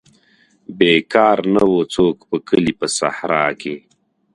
بیکار نه وو څوک په کلي په صحرا کې.